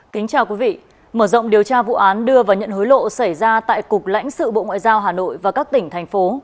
kính chào quý vị mở rộng điều tra vụ án đưa và nhận hối lộ xảy ra tại cục lãnh sự bộ ngoại giao hà nội và các tỉnh thành phố